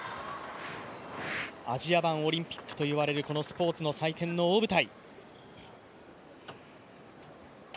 アジア版オリンピックといわれるスポ−ツの祭典の大舞台。